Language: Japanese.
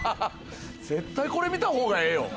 絶対、これ見たほうがええよ。